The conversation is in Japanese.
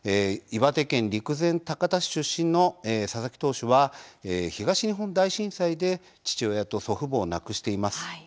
岩手県陸前高田市出身の佐々木投手は東日本大震災で父親と祖父母を亡くしています。